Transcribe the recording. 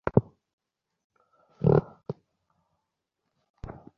তিনি খাজা আবদুল্লাহ আনসারীর মাধ্যমে আবু আইয়ুব আল আনসারীর বংশধর ছিলেন।